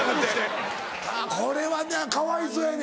これはねかわいそうやねん。